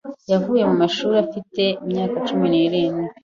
Yavuye mu mashuri yisumbuye afite imyaka cumi n'irindwi.